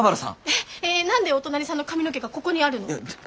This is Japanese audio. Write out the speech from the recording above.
えっ何でお隣さんの髪の毛がここにあるの？